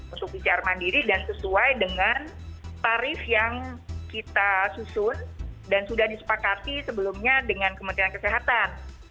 untuk pcr mandiri dan sesuai dengan tarif yang kita susun dan sudah disepakati sebelumnya dengan kementerian kesehatan